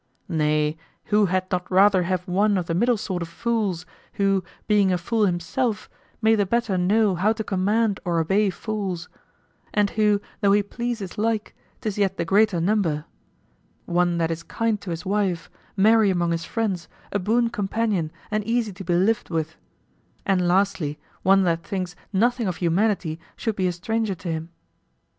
Nay, who had not rather have one of the middle sort of fools, who, being a fool himself, may the better know how to command or obey fools; and who though he please his like, 'tis yet the greater number; one that is kind to his wife, merry among his friends, a boon companion, and easy to be lived with; and lastly one that thinks nothing of humanity should be a stranger to him?